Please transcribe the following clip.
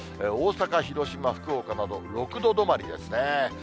大阪、広島、福岡など６度止まりですね。